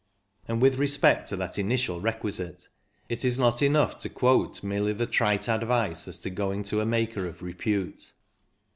And with respect to that initial requisite, it is not enough to quote merely the trite advice as to going to a maker of repute.